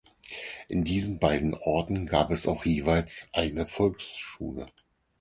In diesen beiden Orten gab es auch jeweils eine Volksschule.